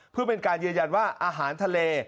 เพื่อเป็นการยืนยันว่าอาหารทะเล